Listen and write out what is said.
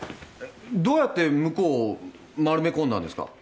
どうやって向こうを丸め込んだんですか？